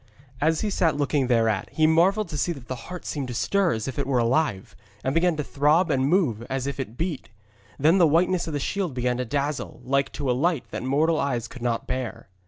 As he sat looking thereat, he marvelled to see that the heart seemed to stir as if it were alive, and began to throb and move as if it beat. Then the whiteness of the shield began to dazzle like to a light that mortal eyes could not bear.